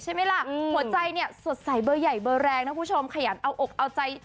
หัวใจสดใสเบอร์ใหญ่เบอร์แรงขยันเอาอกเอาใจ